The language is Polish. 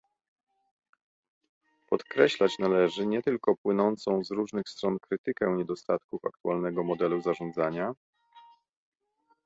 Podkreślać należy nie tylko płynącą z różnych stron krytykę niedostatków aktualnego modelu zarządzania